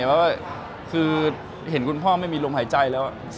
ก็คือเห็นคุณพ่อไม่มีโรงหายใจแล้ว